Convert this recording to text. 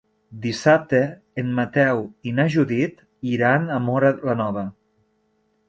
Dissabte en Mateu i na Judit iran a Móra la Nova.